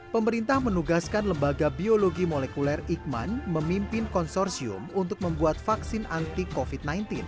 pemerintah menugaskan lembaga biologi molekuler ikman memimpin konsorsium untuk membuat vaksin anti covid sembilan belas